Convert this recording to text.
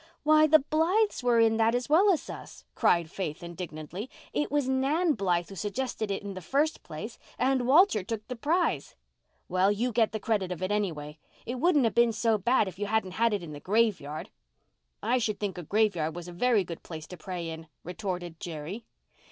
"Why, the Blythes were in that as well as us," cried Faith, indignantly. "It was Nan Blythe who suggested it in the first place. And Walter took the prize." "Well, you get the credit of it any way. It wouldn't have been so bad if you hadn't had it in the graveyard." "I should think a graveyard was a very good place to pray in," retorted Jerry.